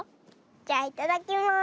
じゃいただきます。